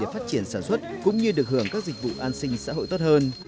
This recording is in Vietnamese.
để phát triển sản xuất cũng như được hưởng các dịch vụ an sinh xã hội tốt hơn